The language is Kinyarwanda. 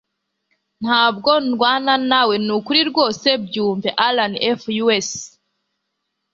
Ntabwo ndwana nawe nukuri rwose byumve(AlanF_US)